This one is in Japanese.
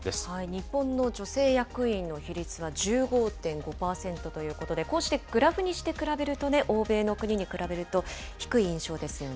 日本の女性役員の比率は１５．５％ということで、こうしてグラフにして比べるとね、欧米の国に比べると低い印象ですよね。